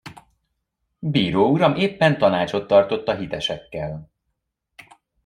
Bíró uram éppen tanácsot tartott a hitesekkel.